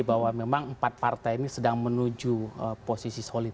bahwa memang empat partai ini sedang menuju posisi solid